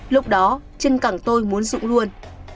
lúc đó chân cẳng tôi muốn rụng luôn